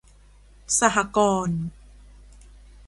สหกรณ์